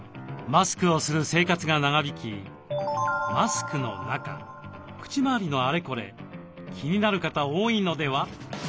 マスクをする生活が長引きマスクの中口まわりのあれこれ気になる方多いのでは？